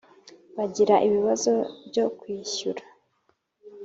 Bagira ibibazo byo kwishyura